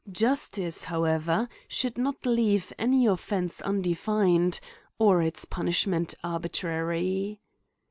Justice, however, should not leave any offence undefined, or its punishment arbitrary.